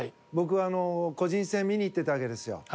僕、個人戦見に行ってたわけですよ